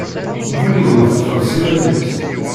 Mkul yiwet txelleṣ iman-is.